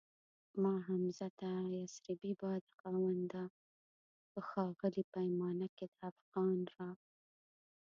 ما حمزه ته يسربی باده خاونده په ښاغلي پیمانه کي دافغان را